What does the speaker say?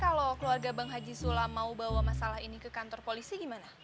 kalau keluarga bang haji sula mau bawa masalah ini ke kantor polisi gimana